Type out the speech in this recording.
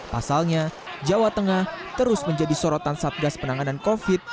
pasalnya jawa tengah terus menjadi sorotan satgas penanganan covid sembilan belas